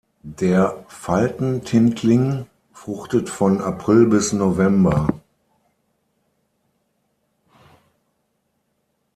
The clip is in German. Der Falten-Tintling fruchtet von April bis November.